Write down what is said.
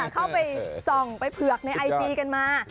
เข้าไปส่องไปเผือกในไอจีกันมา